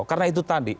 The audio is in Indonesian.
karena itu tadi